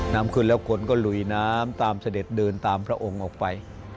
น้ำขึ้นแล้วคนก็ลุยน้ำตามเสด็จเดินตามพระองค์ออกไป